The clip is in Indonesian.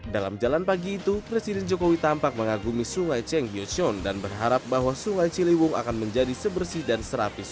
dalam jalan pagi itu presiden jokowi tampak mengagumi sungai cheng hyushion dan berharap bahwa sungai ciliwung akan menjadi sebersih dan serapi sungai